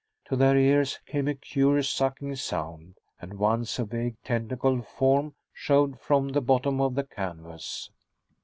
To their ears came a curious, sucking sound, and once a vague tentacle form showed from the bottom of the canvas.